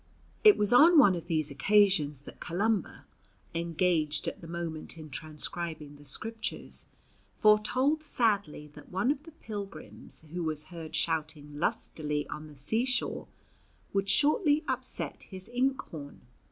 It was on one of these occasions that Columba, engaged at the moment in transcribing the Scriptures, foretold sadly that one of the pilgrims who was heard shouting lustily on the seashore, would shortly upset his inkhorn.